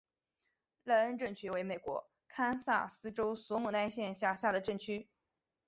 赖恩镇区为美国堪萨斯州索姆奈县辖下的镇区。